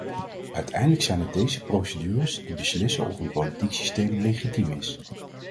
Uiteindelijk zijn het deze procedures die beslissen of een politiek systeem legitiem is.